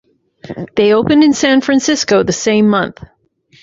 They opened in San Francisco the same month.